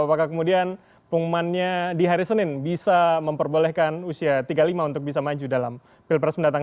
apakah kemudian pengumumannya di hari senin bisa memperbolehkan usia tiga puluh lima untuk bisa maju dalam pilpres mendatang